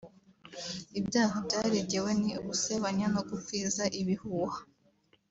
ibyaha byaregewe ni ugusebanya no gukwiza ibihuha